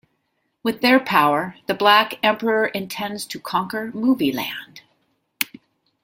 With their power, the Black Emperor intends to conquer Movieland.